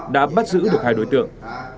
đã bắt giữ được hai đối tượng